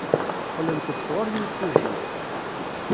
Qqlent-d sɣur yimsujji.